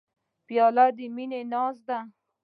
پیاله د مینې ناز ده.